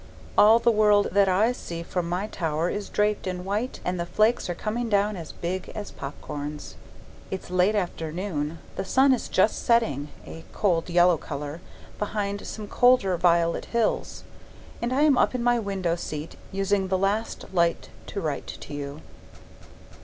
All the world that I see from my tower is draped in white and the flakes are coming down as big as pop corns. It's late afternoon the sun is just setting (a cold yellow colour) behind some colder violet hills, and I am up in my window seat using the last light to write to you.